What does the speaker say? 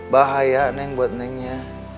bahaya neng buat nengnya